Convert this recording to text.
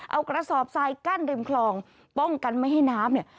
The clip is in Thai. เอากระสอบทรายกั้นริมคลองป้องกันไม่ให้น้ำเนี่ย